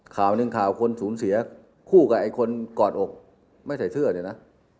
ข่าวหนึ่งข่าวคนสูญเสียคู่กับไอ้คนกอดอกไม่ใส่เสื้อเนี่ยนะ